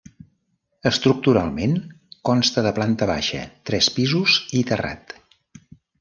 Estructuralment, consta de planta baixa, tres pisos i terrat.